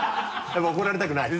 やっぱ怒られたくない？